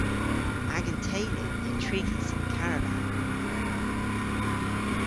Agan teylu yw trigys yn karavan.